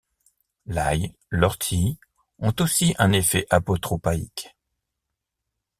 L'ail, l'ortie ont aussi un effet apotropaïque.